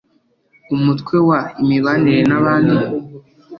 umutwe wa imibanire n abandi